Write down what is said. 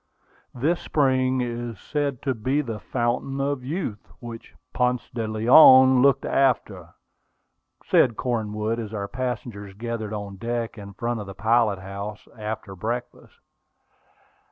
"This spring is said to be the Fountain of Youth, which Ponce de Leon looked after," said Cornwood, as our passengers gathered on deck in front of the pilot house, after breakfast.